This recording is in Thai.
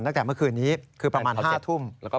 ตั้งแต่เมื่อคืนนี้คือประมาณ๕ทุ่ม